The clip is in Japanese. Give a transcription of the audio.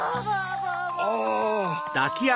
ああ。